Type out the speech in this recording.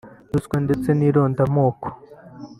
Ruswa ndetse n’Irondamoko